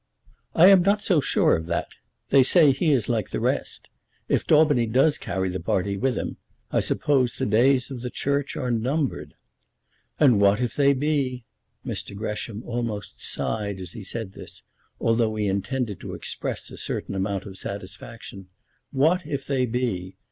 "I am not so sure of that. They say he is like the rest. If Daubeny does carry the party with him, I suppose the days of the Church are numbered." "And what if they be?" Mr. Gresham almost sighed as he said this, although he intended to express a certain amount of satisfaction. "What if they be?